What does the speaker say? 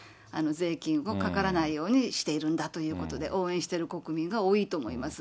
税金をかからないようにしているんだということで、応援している国民が多いと思います。